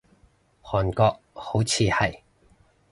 韓國，好似係